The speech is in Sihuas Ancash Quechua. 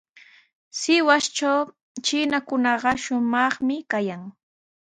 Sihuastraw chiinakunaqa shumaqmi kayan.